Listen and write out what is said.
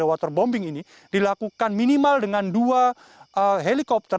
waterbombing ini dilakukan minimal dengan dua helikopter